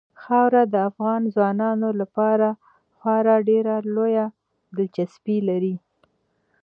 خاوره د افغان ځوانانو لپاره خورا ډېره لویه دلچسپي لري.